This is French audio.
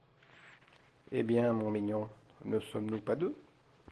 Hé bien, mon mignon, ne sommes-nous pas deux?